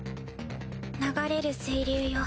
流れる水流よ